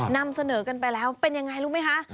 นำเสนอกันไปแล้วเป็นยังไงรู้ไหมคะ